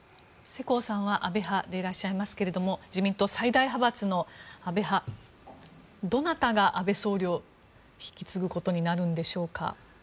世耕さんは安倍派でいらっしゃいますけれども自民党最大派閥の安倍派どなたが安倍総理を引き継ぐことになるんでしょうか？